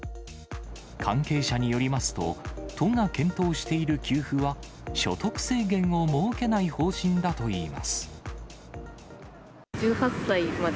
関係者によりますと、都が検討している給付は、所得制限を設けな１８歳まで、